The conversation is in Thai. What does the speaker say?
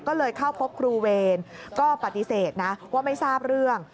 ก็เลยเข้าพบครูเวรก็ปฏิเสธนะว่าไม่ทราบเรื่อง